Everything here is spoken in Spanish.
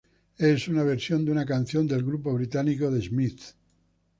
Es una versión de una canción del grupo británico The Smiths.